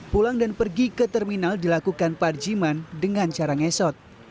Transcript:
pulang dan pergi ke terminal dilakukan parjiman dengan cara ngesot